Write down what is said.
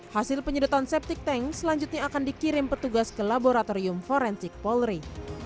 hasil penyedotan septic tank selanjutnya akan dikirim petugas ke laboratorium forensik polri